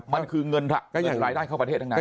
มันคือเงินรายได้เข้าประเทศทั้งนั้น